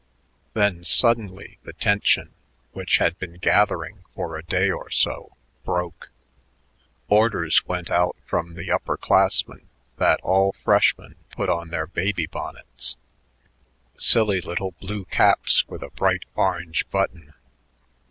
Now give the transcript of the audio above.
Then suddenly the tension, which had been gathering for a day or so, broke. Orders went out from the upper classmen that all freshmen put on their baby bonnets, silly little blue caps with a bright orange button.